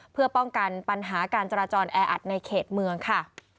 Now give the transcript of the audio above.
เพื่อป้องกันปัญหาการจราจรแออัดในเขตเมืองค่ะ